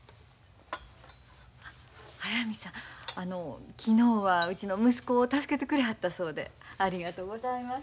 速水さんあの昨日はうちの息子を助けてくれはったそうでありがとうございます。